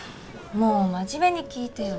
もう真面目に聞いてよ。